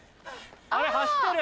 あれ走ってる。